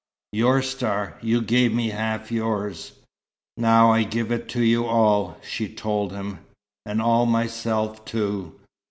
"Your star. You gave me half yours." "Now I give it to you all," she told him. "And all myself, too.